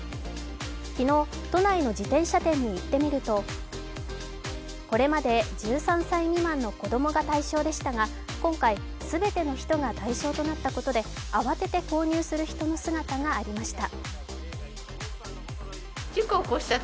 昨日、都内の自転車店に行ってみるとこれまで１３歳未満の子供が対象でしたが今回全ての人が対象となったことで慌てて購入する人の姿がありました。